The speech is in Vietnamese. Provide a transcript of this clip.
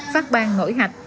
phát bang nổi hạch